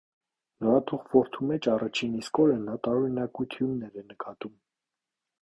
Նորաթուխ որդու մեջ առաջին իսկ օրը նա տարօրինակություններ է նկատում։